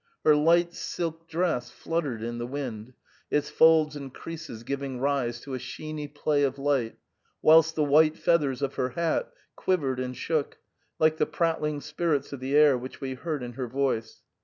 Her light silk dress fluttered in the wind, its folds and creases giving rise to a sheeny play of light, whilst the white feathers of her hat quivered and shook, like the prattling spirits of the air which we heard in her voice.